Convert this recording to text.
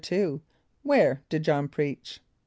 = Where did J[)o]hn preach?